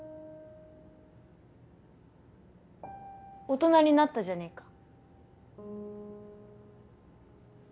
大人になったじゃねえか。